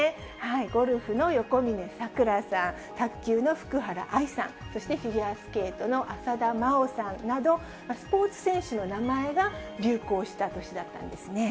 ゴルフの横峯さくらさん、卓球の福原愛さん、そしてフィギュアスケートの浅田真央さんなど、スポーツ選手の名前が流行した年だったんですね。